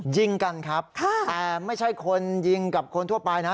ยิงกันครับแต่ไม่ใช่คนยิงกับคนทั่วไปนะ